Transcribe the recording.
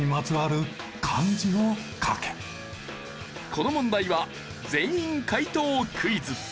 この問題は全員解答クイズ。